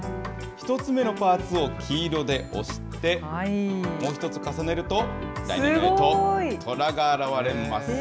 １つ目のパーツを黄色で押して、もう一つ重ねると、来年のえと、虎が現れます。